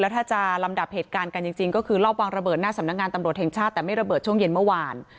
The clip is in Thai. ถ้าจะลำดับเหตุการณ์กันจริงก็คือรอบวางระเบิดหน้าสำนักงานตำรวจแห่งชาติแต่ไม่ระเบิดช่วงเย็นเมื่อวาน